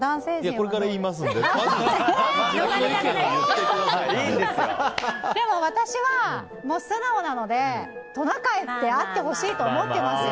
これから言いますのででも私は、素直なのでトナカイであってほしいと思ってますよ。